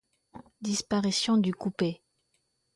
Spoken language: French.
Disparition du coupé.